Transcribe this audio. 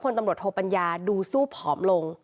ตำรวจโทปัญญาดูสู้ผอมลง